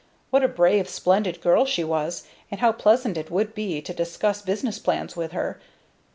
What a brave, splendid girl she was, and how pleasant it would be to discuss business plans with her!